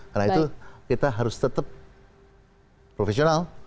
karena itu kita harus tetap profesional